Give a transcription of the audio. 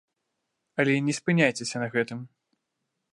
Але не спыняйцеся на гэтым!